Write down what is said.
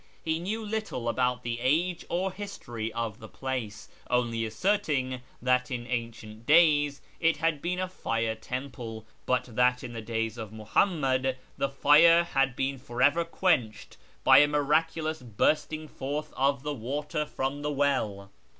He knew little about the age or history of the place, only asserting that in ancient days it had been a fire temple, but that in the days of Muhammad the fire had been for ever quenched by a miraculous bursting forth of the water from the well.